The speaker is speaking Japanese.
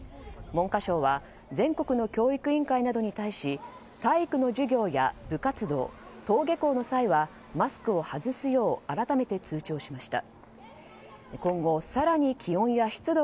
文科省は全国の教育委員会などに対し体育の授業や部活動登下校の際はマスクを外すよう改めて通知をしました。